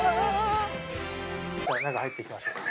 じゃあ中入っていきましょうか。